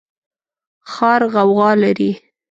ښار غوغا لري